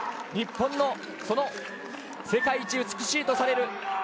日本の世界一美しいとされる